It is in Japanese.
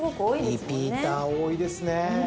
リピーター多いですね。